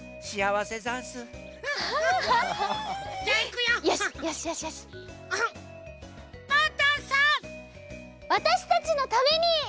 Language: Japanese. わたしたちのために！